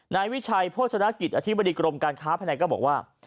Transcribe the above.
นายวิชัยโภชนกิจอธิบดีกรมการค้าภายในก็บอกว่า